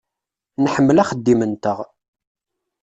Nḥemmel axeddim-nteɣ.